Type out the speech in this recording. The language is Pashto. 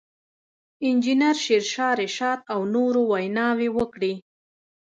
انجنیر شېرشاه رشاد او نورو ویناوې وکړې.